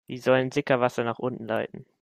Sie sollen Sickerwasser nach unten leiten.